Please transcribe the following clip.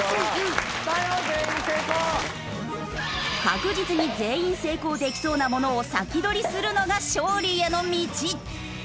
確実に全員成功できそうなものを先取りするのが勝利への道。